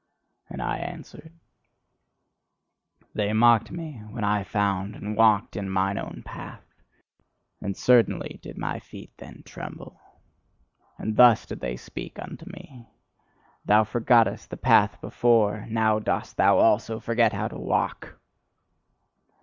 And I answered: "They mocked me when I found and walked in mine own path; and certainly did my feet then tremble. And thus did they speak unto me: Thou forgottest the path before, now dost thou also forget how to walk!"